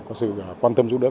có sự quan tâm giúp đỡ